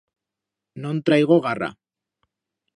No'n traigo garra.